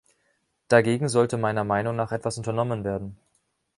Dagegen sollte meiner Meinung nach etwas unternommen werden.